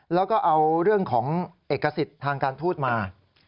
แล้วก็เอาเรื่องของเอกสิทธิ์ทางการทูตมา